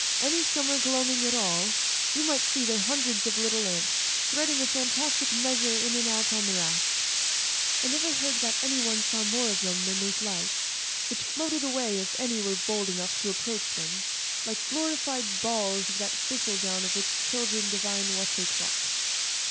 Any summer gloaming at all, you might see their hundreds of little lamps threading a fantastic measure in and out on the rath. I never heard that any one saw more of them than those lights, which floated away if any were bold enough to approach them, like glorified balls of that thistledown of which children divine what's o'clock.